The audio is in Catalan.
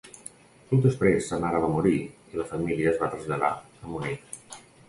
Poc després sa mare va morir i la família es va traslladar a Munic.